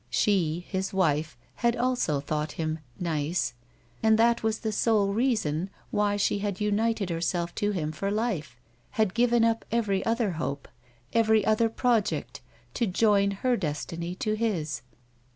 She, his wife, had also thought him " nice," and that was the sole reason why she had united hei'self to him for life, had given up every other hope, every other project to join her destiny to his.